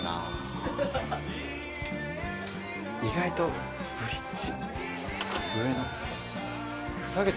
意外とブリッジ。